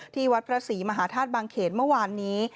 ที่วัดพระศรีมหาธาตุบางเขนเมื่อวานนี้